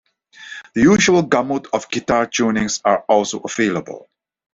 The usual gamut of guitar tunings are also available.